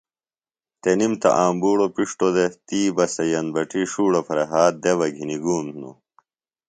تنِم تہ آمبُوڑوۡ پِݜٹوۡ دےۡ تی بہ سے یمبٹی ݜوڑہ پھرےۡ ہات دےۡ بہ گِھنیۡ گُوم ہِنوۡ